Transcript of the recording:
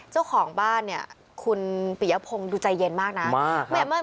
เจ้าของบ้านเนี้ยคุณปียะพงดูใจเย็นมากน่ะมากครับ